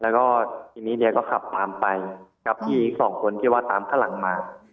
แล้วก็ทีนี้เดียก็ขับตามไปกับพี่อีกสองคนที่ว่าตามข้างหลังมา